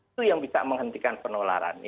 itu yang bisa menghentikan penularan